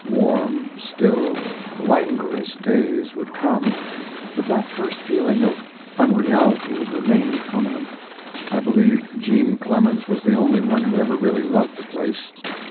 Warm, still, languorous days would come, but that first feeling of unreality would remain permanent. I believe Jean Clemens was the only one who ever really loved the place.